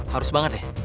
harus banget ya